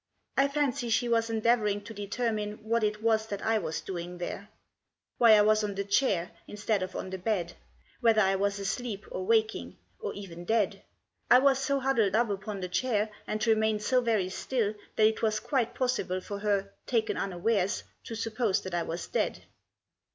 I fancy she was endeavouring to determine what it was that I was doing there ; why I was on the chair instead of on the bed ; whether I was asleep or waking, or even dead. I was so huddled up upon the chair, and remained so very still, that it was quite possible for her, taken unawares, to suppose that I was dead.